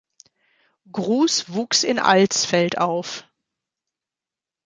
Gruss wuchs in Alsfeld auf.